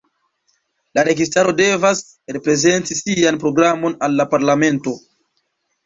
La registaro devas prezenti sian programon al la parlamento.